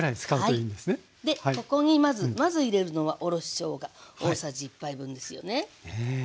ここにまず入れるのはおろししょうが大さじ１杯分ですよね。